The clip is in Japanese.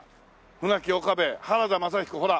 船木岡部原田雅彦ほら。